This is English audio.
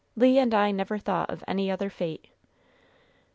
Le and I never thought of any other fate."